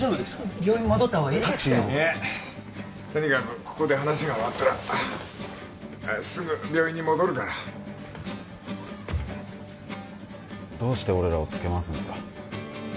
病院戻った方がいいですっていやとにかくここで話が終わったらすぐ病院に戻るからどうして俺らをつけ回すんですか？